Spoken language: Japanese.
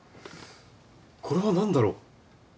これはなんだろう？